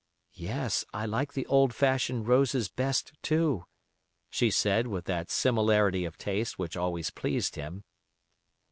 "Yes, I like the old fashioned roses best too," she said, with that similarity of taste which always pleased him.